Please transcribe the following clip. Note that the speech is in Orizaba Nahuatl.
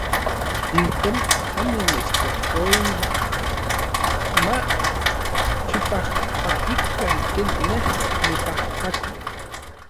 Ijkon onimechtlapouij ma xipajpakikan ken nej nipajpaki.